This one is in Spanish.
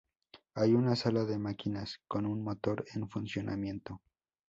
Hay una sala de máquinas con un motor en funcionamiento.